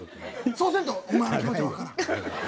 そうせんとお前の気持ち分からん。